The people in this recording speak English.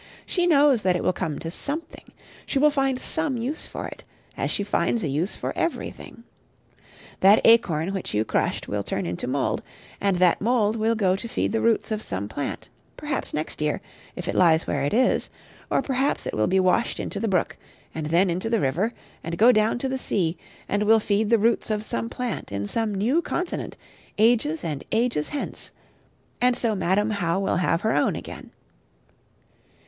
She knows that it will come to something. She will find some use for it, as she finds a use for everything. That acorn which you crushed will turn into mould, and that mould will go to feed the roots of some plant, perhaps next year, if it lies where it is; or perhaps it will be washed into the brook, and then into the river, and go down to the sea, and will feed the roots of some plant in some new continent ages and ages hence: and so Madam How will have her own again.